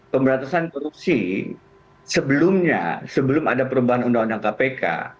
pemberantasan korupsi sebelumnya sebelum ada perubahan undang undang kpk